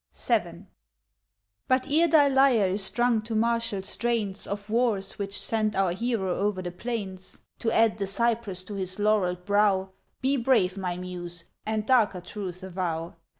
VII. But ere thy lyre is strung to martial strains Of wars which sent our hero o'er the plains, To add the cypress to his laureled brow, Be brave, my Muse, and darker truths avow.